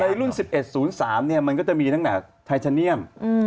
ในรุ่น๑๑๐๓มันก็จะมีตั้งแต่ไทชันเนียม